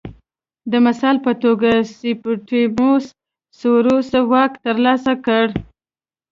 د مثال په توګه سیپټیموس سوروس واک ترلاسه کړ